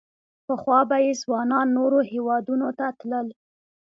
پخوا به یې ځوانان نورو هېوادونو ته تلل.